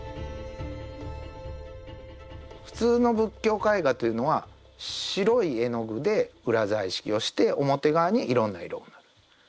普通の仏教絵画というのは白い絵の具で裏彩色をして表側にいろんな色を塗る。